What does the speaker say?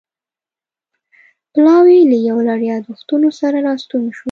پلاوی له یو لړ یادښتونو سره راستون شو.